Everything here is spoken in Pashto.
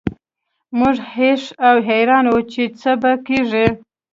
موږ هېښ او حیران وو چې څه به کیږي